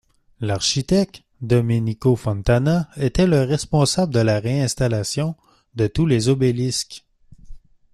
L'architecte Domenico Fontana était le responsable de la réinstallation de tous les obélisques.